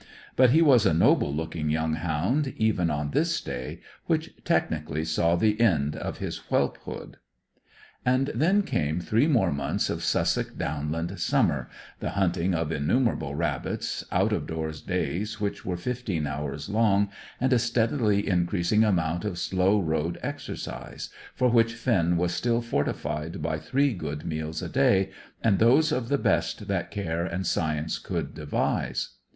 But he was a noble looking young hound, even on this day which, technically, saw the end of his whelphood. And then came three more months of Sussex downland summer, the hunting of innumerable rabbits, out of door days which were fifteen hours long, and a steadily increasing amount of slow road exercise, for which Finn was still fortified by three good meals a day, and those of the best that care and science could devise.